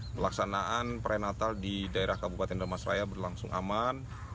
melaksanaan perayaan natal di daerah kabupaten ramasraya berlangsung aman